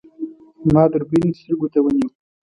ما دوربین سترګو ته ونیو.